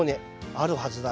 あるはずだな。